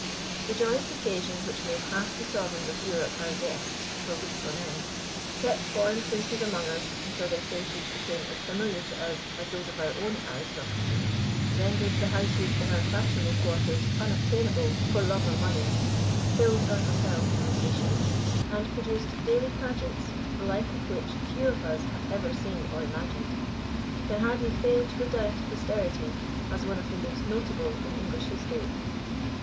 The joyous occasion which made half the sovereigns of Europe our guests for weeks on end, kept foreign princes among us until their faces became as familiar to us as those of our own aristocracy, rendered the houses in our fashionable quarters unobtainable for love or money, filled our hotels to repletion, and produced daily pageants the like of which few of us have ever seen or imagined, can hardly fail to go down to posterity as one of the most notable in English history.